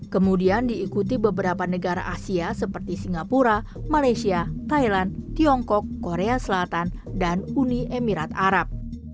kemudian diikuti beberapa negara asia seperti singapura malaysia thailand tiongkok korea selatan dan uni emirat arab